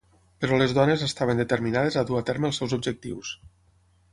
Però les dones estaven determinades a dur a terme els seus objectius.